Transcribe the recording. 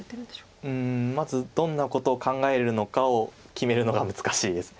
うんまずどんなことを考えるのかを決めるのが難しいです。